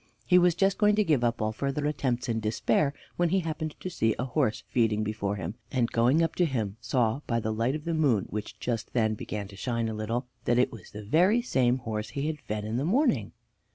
He was just going to give up all further attempts in despair, when he happened to see a horse feeding before him, and going up to him saw, by the light of the moon which just then began to shine a little, that it was the very same horse he had fed in the morning.